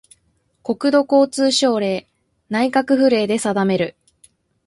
国土交通省令・内閣府令で定める